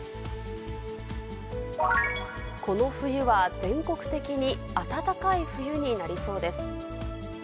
この冬は全国的に暖かい冬になりそうです。